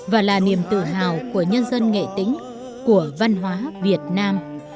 và là niềm tự hào của nhân dân nghệ tĩnh của văn hóa việt nam